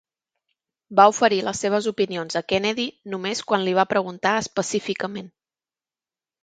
Va oferir les seves opinions a Kennedy només quan li va preguntar específicament.